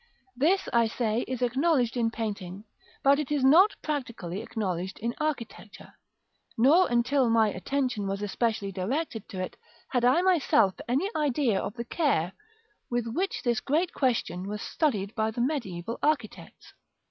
This, I say, is acknowledged in painting, but it is not practically acknowledged in architecture; nor until my attention was especially directed to it, had I myself any idea of the care with which this great question was studied by the mediæval architects.